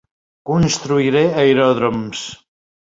Construiré aeròdroms.